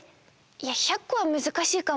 いや１００こはむずかしいかも。